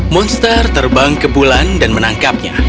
monster terbang ke bulan dan menangkapnya